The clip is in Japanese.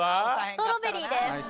ストロベリーです。